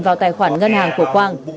vào tài khoản ngân hàng của quang